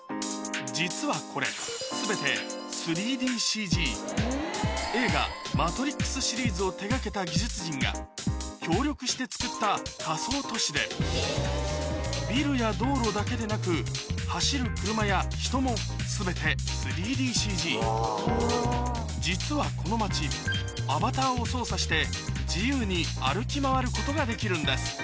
実はこれ映画『マトリックス』シリーズを手掛けた技術陣が協力して作った仮想都市でビルや道路だけでなく走る車や人も全て３ＤＣＧ実はこの街アバターを操作して自由に歩き回ることができるんです